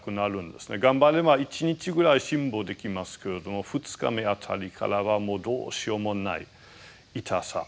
頑張れば１日ぐらい辛抱できますけれども２日目あたりからはもうどうしようもない痛さ。